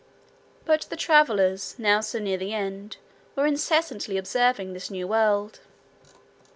But the travelers, now so near the end, were incessantly observing this new world.